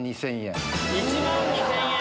１万２０００円。